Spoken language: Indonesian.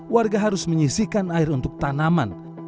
warga harus menyisihkan air untuk tanaman